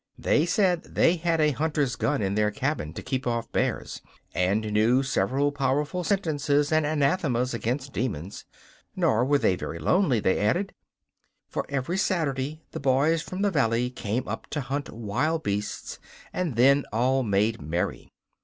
They said they had a hunter's gun in their cabin to keep off bears, and knew several powerful sentences and anathemas against demons. Nor were they very lonely, they added, for every Saturday the boys from the valley came up to hunt wild beasts, and then all made merry.